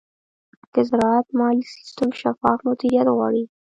د زراعت مالي سیستم شفاف مدیریت غواړي.